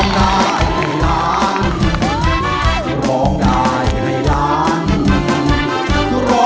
ได้ครับ